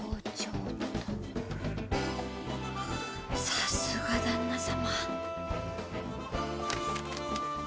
さすが旦那様。